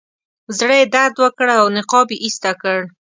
زړه یې درد وکړ او نقاب یې ایسته کړ.